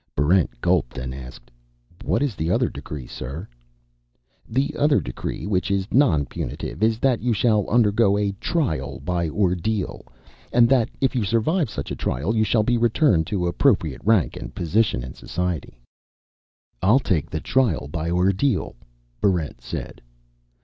Barrent gulped and asked, "What is the other decree, sir?" "The other decree, which is nonpunitive, is that you shall undergo a Trial by Ordeal. And that, if you survive such a trial, you shall be returned to appropriate rank and position in society." "I'll take the Trial by Ordeal," Barrent said.